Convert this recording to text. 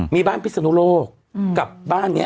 มีบ้านพิศนุโลกกับบ้านนี้